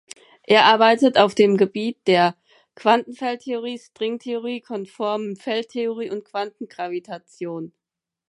Er arbeitet auf dem Gebiet der Quantenfeldtheorie, Stringtheorie, konformen Feldtheorie und Quantengravitation.